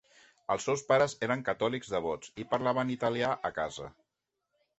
Els seus pares eren catòlics devots i parlaven italià a casa.